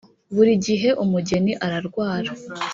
burigihe umugeni ararwara